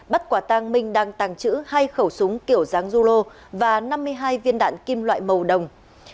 bắt quả tàng minh đăng tàng trữ hai khẩu súng kiểu giáng zulu và năm mươi hai viên đạn kim loại màu đồng